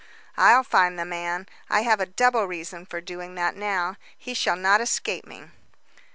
"I'll find the man; I have a double reason for doing that now; he shall not escape me."